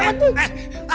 tuan gawat tuan